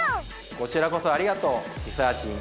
こちらこそありがとうリサーちん